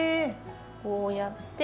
こうやって。